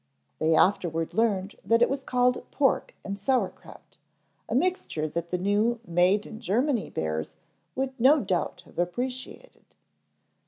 They afterward learned that it was called pork and sauerkraut, a mixture that the new made in Germany bears would no doubt have appreciated.